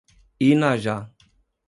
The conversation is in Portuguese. Inajá